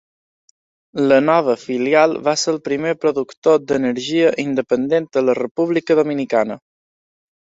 La nova filial va ser el primer productor d"energia independent a la República Dominicana.